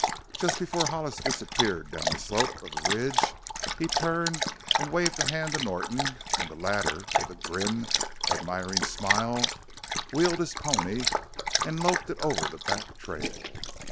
Just before Hollis disappeared down the slope of the ridge he turned and waved a hand to Norton, and the latter, with a grim, admiring smile, wheeled his pony and loped it over the back trail.